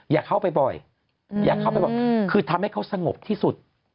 อย่าเข้าไปบ่อยคือทำให้เขาสงบที่สุด